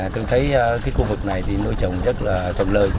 tôi thấy cái khu vực này thì nuôi trồng rất là thuận lợi